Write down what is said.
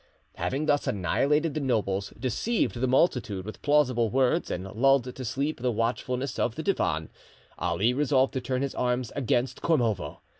Having thus annihilated the nobles, deceived the multitude with plausible words and lulled to sleep the watchfulness of the Divan, Ali resolved to turn his arms against Kormovo.